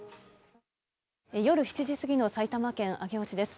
夜７時過ぎの埼玉県上尾市です。